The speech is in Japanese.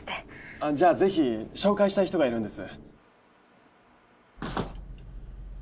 あっじゃあぜひ紹介したい人がいるんです。